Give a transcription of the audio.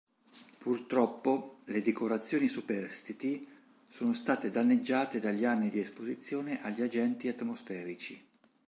Purtroppo le decorazioni superstiti sono state danneggiate dagli anni di esposizione agli agenti atmosferici.